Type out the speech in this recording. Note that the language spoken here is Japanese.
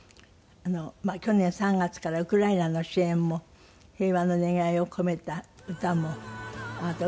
去年３月からウクライナの支援も平和の願いを込めた歌もあなた歌っていらっしゃるでしょ？